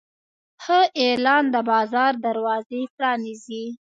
ښه اعلان د بازار دروازې پرانیزي.